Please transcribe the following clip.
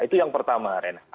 itu yang pertama